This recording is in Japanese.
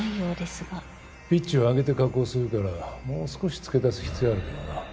ピッチを上げて加工するからもう少し付け足す必要あるけどな。